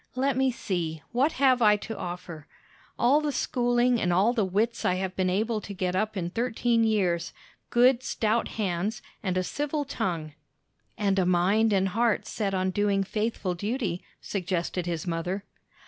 Let me see, what have I to offer? All the schooling and all the wits I have been able to get up in thirteen years; good, stout hands; and a civil tongue." "And a mind and heart set on doing faithful duty, suggested his mother.